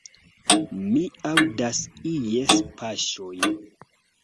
Mi aŭdas ies paŝojn!